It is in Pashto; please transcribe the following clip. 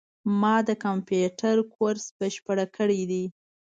ما د کامپیوټر کورس بشپړ کړی ده